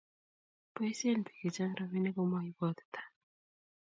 boisien biik chechang' robinik ko ma ibwatita